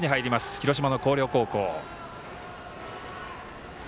広島の広陵高校。